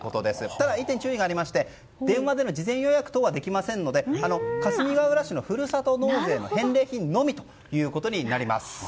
ただ１点注意がありまして電話での事前予約はできませんのでかすみがうら市のふるさと納税の返礼品のみということになります。